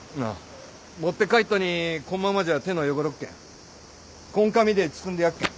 持って帰っとにこんままじゃ手の汚るっけんこん紙で包んでやっけん。